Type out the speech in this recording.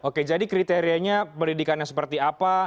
oke jadi kriterianya pendidikan yang seperti apa